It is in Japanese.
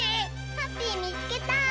ハッピーみつけた！